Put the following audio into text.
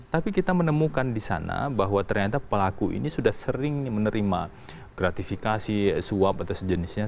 tapi kita menemukan di sana bahwa ternyata pelaku ini sudah sering menerima gratifikasi suap atau sejenisnya